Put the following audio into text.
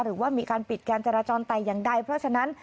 หรือว่ามีการปิดการจราจรแต่อย่างใดเพราะฉะนั้น